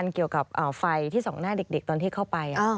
เกี่ยวกับไฟที่ส่องหน้าเด็กตอนที่เข้าไป